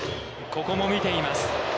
ここも見ています。